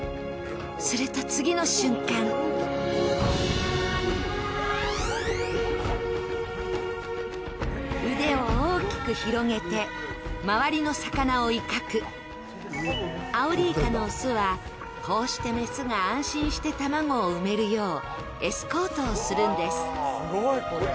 すると次の瞬間腕を大きく広げて、周りの魚を威嚇アオリイカの雄はこうして雌が安心して卵を産めるようエスコートをするんです。